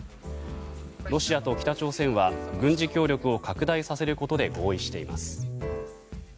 ロシアと北朝鮮は軍事協力を拡大させることで合意しています。